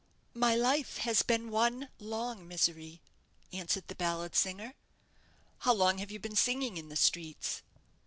"My life has been one long misery," answered the ballad singer. "How long have you been singing in the streets?"